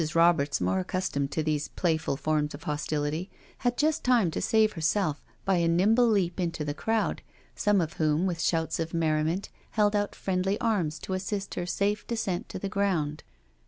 Roberts, more accustomed to these playful forms of hostility, had just time to save herself by a nimble leap into the crowd, some of whom, with shouts of merriment, held out friendly arms to assist her safe descent to the ground.